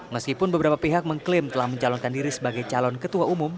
meskipun beberapa pihak mengklaim telah mencalonkan diri sebagai calon ketua umum